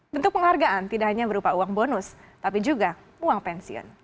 bentuk penghargaan tidak hanya berupa uang bonus tapi juga uang pensiun